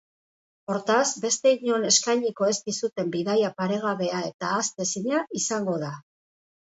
Hortaz, beste inon eskainiko ez dizuten bidaia paregabea eta ahaztezina izango da.